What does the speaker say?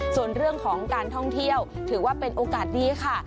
ส่วนเรื่องของการท่องเที่ยวถือว่าเป็นโอกาสดีค่ะ